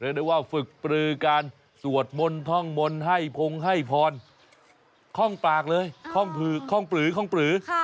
เรียกได้ว่าฝึกปรือการสวดมลท่องมลพงให้พรค่องปากเลยค่องปรือ